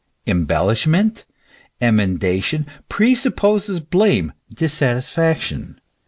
Embellishment, emendation, presupposes blame, dissatisfac tion.